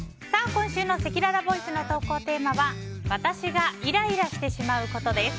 今週のせきららボイスの投稿テーマは私がイライラしてしまうことです。